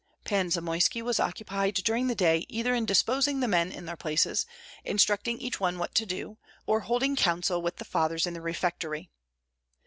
Pan Zamoyski was occupied during the day either in disposing the men in their places, instructing each one what to do, or holding counsel with the fathers in the refectory.